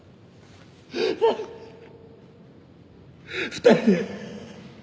２人で。